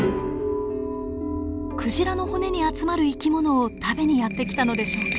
クジラの骨に集まる生き物を食べにやって来たのでしょうか？